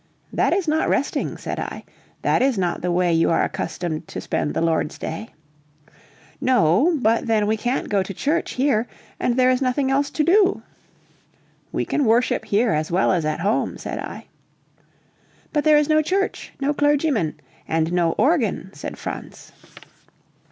"That is not resting," said I, "that is not the way you are accustomed to spend the Lord's day." "No! but then we can't go to church here, and there is nothing else to do." "We can worship here as well as at home," said I. "But there is no church, no clergyman, and no organ," said Franz.